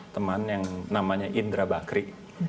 teman yang namanya indra bakri